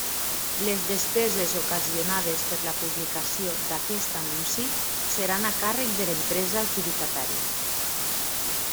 Les despeses ocasionades per la publicació d'aquest anunci seran a càrrec de l'empresa adjudicatària.